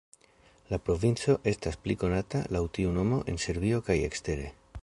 La provinco estas pli konata laŭ tiu nomo en Serbio kaj ekstere.